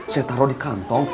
saya taruh di kantong